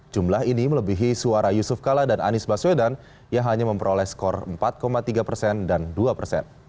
jumlah ini melebihi suara yusuf kala dan anies baswedan yang hanya memperoleh skor empat tiga persen dan dua persen